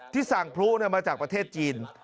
สั่งพลุมาจากประเทศจีน